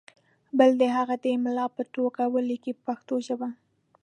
بل دې هغه د املا په توګه ولیکي په پښتو ژبه.